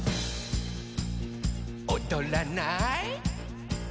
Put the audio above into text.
「おどらない？」